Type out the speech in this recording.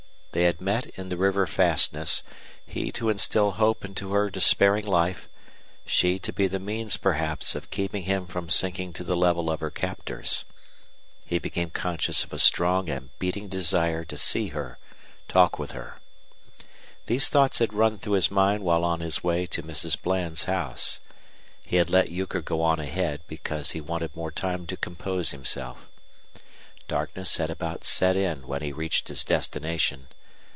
They had met in the river fastness, he to instil hope into her despairing life, she to be the means, perhaps, of keeping him from sinking to the level of her captors. He became conscious of a strong and beating desire to see her, talk with her. These thoughts had run through his mind while on his way to Mrs. Bland's house. He had let Euchre go on ahead because he wanted more time to compose himself. Darkness had about set in when he reached his destination.